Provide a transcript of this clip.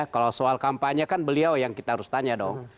kalau soal kampanye kan beliau yang kita harus tanya dong